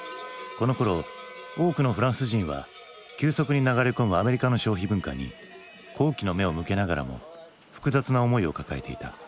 このころ多くのフランス人は急速に流れ込むアメリカの消費文化に好奇の目を向けながらも複雑な思いを抱えていた。